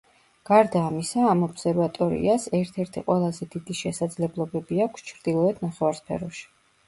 გარდა ამისა, ამ ობსერვატორიას ერთ-ერთი ყველაზე დიდი შესაძლებლობები აქვს ჩრდილოეთ ნახევარსფეროში.